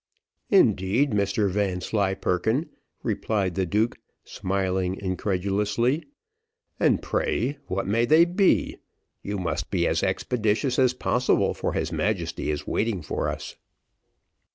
"Indeed! Mr Vanslyperken," replied the duke, smiling incredulously, "and pray what may they be? you must be as expeditious as possible, for his Majesty is waiting for us."